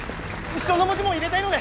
後ろの文字も入れたいので。